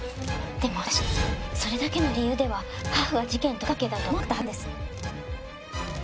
でも私の父はそれだけの理由では母が事件と無関係だとは思わなかったはずなんです。